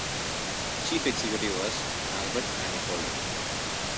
Chief executive was Albert Manifold.